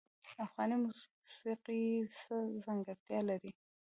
افغاني موسیقی څه ځانګړتیا لري؟